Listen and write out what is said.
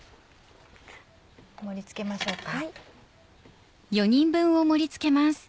盛り付けましょうか。